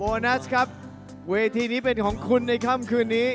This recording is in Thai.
นัสครับเวทีนี้เป็นของคุณในค่ำคืนนี้